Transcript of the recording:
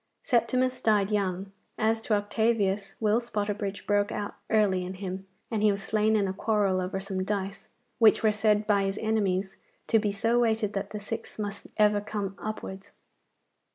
Septimus died young. As to Octavius, Will Spotterbridge broke out early in him, and he was slain in a quarrel over some dice, which were said by his enemies to be so weighted that the six must ever come upwards.